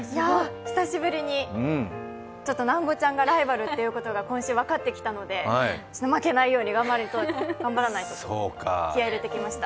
久しぶりに、ちょっと南後ちゃんがライバルということが分かってきたので、今週、分かってきたので負けないように頑張らないとと気合い入れてきました。